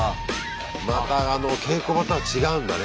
また稽古場とは違うんだね。